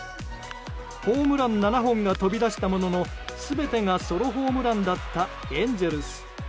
ホームラン７本が飛び出したものの全てがソロホームランだったエンゼルス。